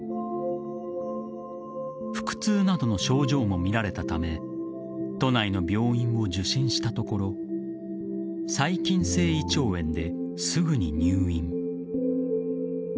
腹痛などの症状も見られたため都内の病院を受診したところ細菌性胃腸炎ですぐに入院。